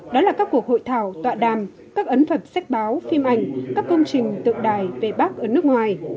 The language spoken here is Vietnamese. đó là các cuộc hội thảo tọa đàm các ấn phẩm sách báo phim ảnh các công trình tượng đài về bác ở nước ngoài